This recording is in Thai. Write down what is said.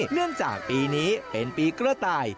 เนื่องจากปีนี้เป็นปีกระต่าย